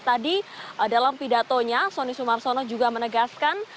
tadi dalam pidatonya sonny sumarsono juga menegaskan